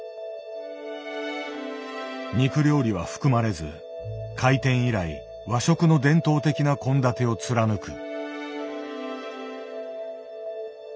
肉料理は含まれず開店以来和食の伝統的な献立を貫く。